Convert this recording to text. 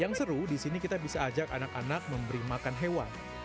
yang seru disini kita bisa ajak anak anak memberi makan hewan